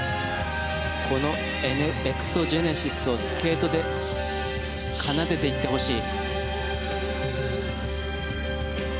この「エクソジェネシス」をスケートで奏でていってほしい。